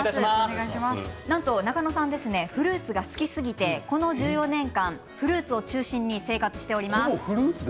中野さんはフルーツが好きすぎてこの１４年間、フルーツを中心に生活をしております。